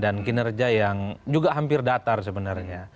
dan kinerja yang juga hampir datar sebenarnya